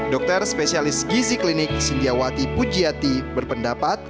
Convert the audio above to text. dokter spesialis gizi klinik sindiawati pujiati berpendapat